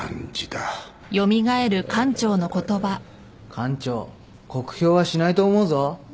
館長酷評はしないと思うぞ。